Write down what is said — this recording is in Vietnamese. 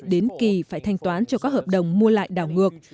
đến kỳ phải thanh toán cho các hợp đồng mua lại đảo ngược